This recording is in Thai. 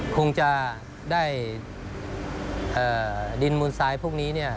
คงจะได้ดินมูลทรายพวกนี้